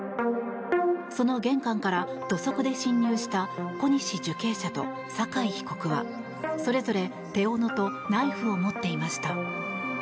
その玄関から土足で侵入した小西受刑者と酒井被告はそれぞれ手斧とナイフを持っていました。